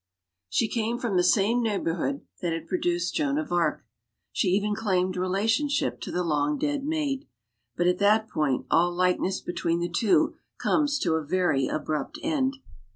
SHE came from the same neighborhood that had produced Joan of Arc. She even claimed rela tionship to the long dead Maid. But at that point all likeness between the two comes to a very abrupt end.